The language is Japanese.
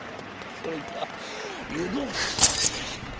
それじゃあゆど。